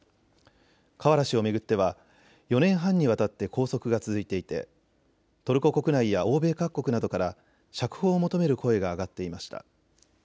カワラ氏を巡っては４年半にわたって拘束が続いていてトルコ国内や欧米各国などから釈放を求める声が上がっていました。